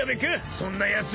そんなやつ］